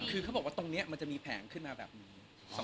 คือเขาบอกว่าตรงนี้มันจะมีแผงขึ้นมาแบบนี้